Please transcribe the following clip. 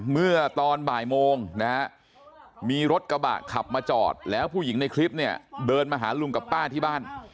เมื่อตอนบ่ายโมงนะฮะมีรถกระบะขับมาจอดแล้วผู้หญิงในคลิปเนี่ยเดินมาหาลุงกับป้าที่บ้าน